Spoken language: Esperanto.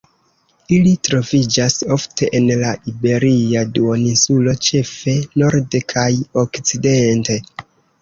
Ili troviĝas ofte en la Iberia Duoninsulo ĉefe norde kaj okcidente.